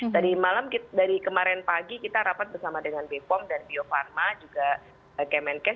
tadi malam dari kemarin pagi kita rapat bersama dengan bepom dan bio farma juga kemenkes